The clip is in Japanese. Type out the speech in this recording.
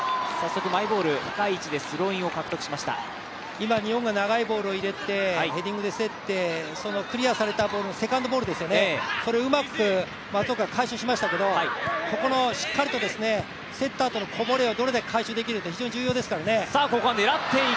今、日本が長いボールを入れて、ヘディングで競ってそのクリアされたボールのセカンドボールをうまく松岡が回収しましたけどここのしっかりと競ったあとのこぼれをどれだけ回収できるか重要ですからね。